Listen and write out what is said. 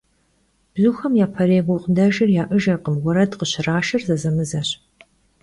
Bzuxemi yaperêy gukhıdejjır ya'ejjkhım, vuered khışraşşır zezemızeş.